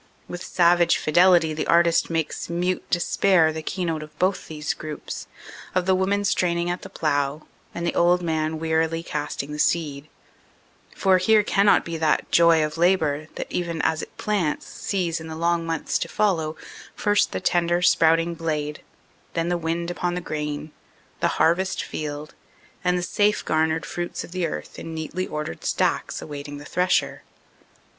With savage fidelity the artist makes mute despair the keynote of both these groups of the woman straining at the plow and the old man wearily 23 338 CANADA S HUNDRED DAYS casting the seed ; for here cannot be that joy of labor that even as it plants sees in the long months to follow first the tender sprouting blade, then the wind upon the grain, the harvest field, and safe garnered fruits of the earth in neatly ordered stacks awaiting the thresher.